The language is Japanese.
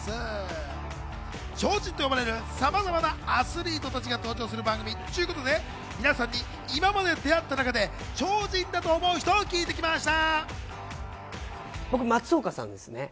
超人と呼ばれるさまざまなアスリートたちが登場する番組ということで、皆さんに今まで出会った中で超人だと思う人を聞いてきました。